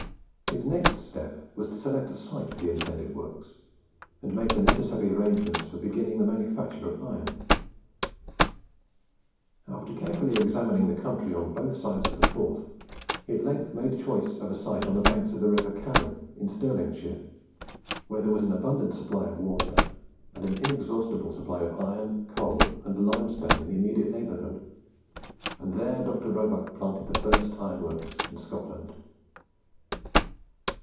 His next step was to select a site for the intended works, and make the necessary arrangements for beginning the manufacture of iron. After carefully examining the country on both sides of the Forth, he at length made choice of a site on the banks of the river Carron, in Stirlingshire, where there was an abundant supply of wafer, and an inexhaustible supply of iron, coal, and limestone in the immediate neighbourhood, and there Dr. Roebuck planted the first ironworks in Scotland.